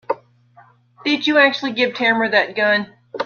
Did you actually give Tamara that gun?